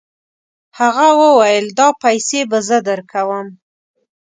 هغه وویل دا پیسې به زه درکوم.